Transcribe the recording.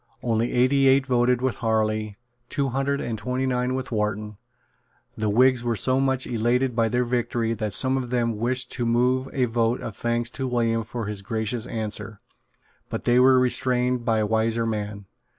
Only eighty eight voted with Harley, two hundred and twenty nine with Wharton. The Whigs were so much elated by their victory that some of them wished to move a vote of thanks to William for his gracious answer; but they were restrained by wiser men.